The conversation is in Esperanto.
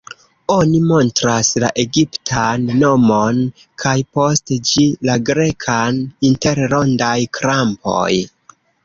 Oni montras la egiptan nomon, kaj, post ĝi, la grekan inter rondaj-krampoj.